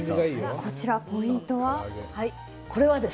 こちら、ポイントは？